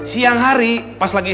siang hari pas lagi